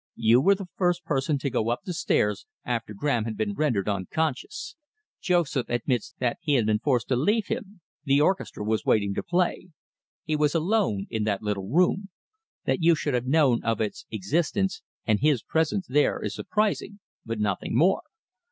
"You were the first person to go up the stairs after Graham had been rendered unconscious. Joseph admits that he had been forced to leave him the orchestra was waiting to play. He was alone in that little room. That you should have known of its existence and his presence there is surprising, but nothing more.